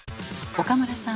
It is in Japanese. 岡村さん